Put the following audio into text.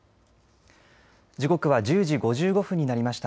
時刻は１０時５５分になりました。